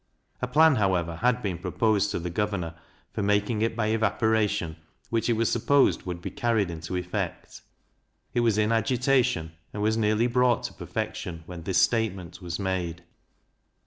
A plan, however, had been proposed to the governor, for making it by evaporation, which it was supposed would be carried into effect; it was in agitation, and was nearly brought to perfection when this statement was made.